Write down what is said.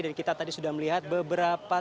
dan kita tadi sudah melihat beberapa